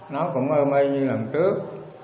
nó cũng ôm mê như lần trước